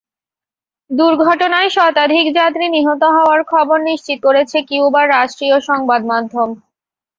দুর্ঘটনায় শতাধিক যাত্রী নিহত হওয়ার খবর নিশ্চিত করেছে কিউবার রাষ্ট্রীয় সংবাদমাধ্যম।